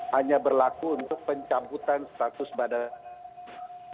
hanya berlaku untuk pencabutan status badan